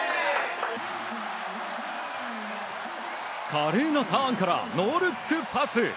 華麗なターンからノールックパス。